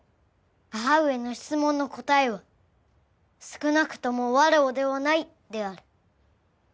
母上の質問の答えは少なくとも「わらわではない」である。